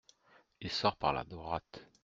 Il sort par la droite.